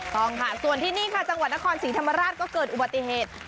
ต้องค่ะส่วนที่นี่ค่ะจังหวัดนครศรีธรรมราชก็เกิดอุบัติเหตุ